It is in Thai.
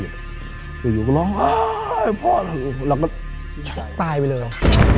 อยู่ก็ร้องอ้าวพ่อแล้วก็ตายไปเลย